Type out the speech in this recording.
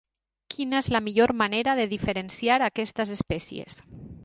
Quina és la millor manera de diferenciar aquestes espècies?